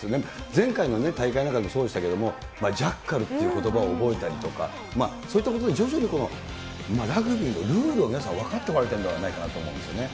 前回の大会なんかもそうでしたけども、ジャッカルっていうことばを覚えたりとか、そういったことで徐々にラグビーのルールを皆さん、分かってもらえたんじゃないかなと思いますね。